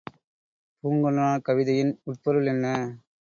பூங்குன்றனார் கவிதையின் உட்பொருள் என்ன?